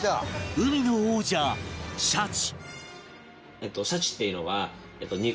海の王者シャチ